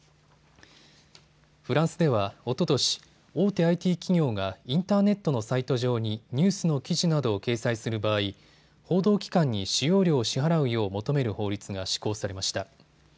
フランスでは、おととし、大手ＩＴ企業がインターネットのサイト上にニュースの記事などを掲載する場合、報道機関に使用料を支払うよう求める法律が施行されました。